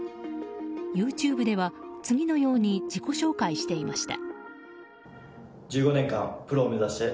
ＹｏｕＴｕｂｅでは次のように自己紹介していました。